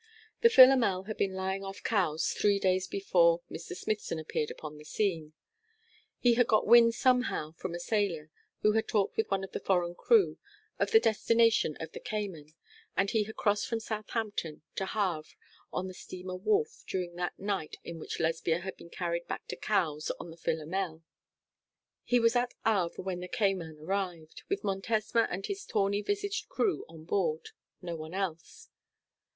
The Philomel had been lying off Cowes three days before Mr. Smithson appeared upon the scene. He had got wind somehow from a sailor, who had talked with one of the foreign crew, of the destination of the Cayman, and he had crossed from Southampton to Havre on the steamer Wolf during that night in which Lesbia had been carried back to Cowes on the Philomel. He was at Havre when the Cayman arrived, with Montesma and his tawny visaged crew on board, no one else.